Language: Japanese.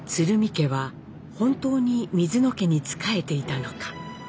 家は本当に水野家に仕えていたのか。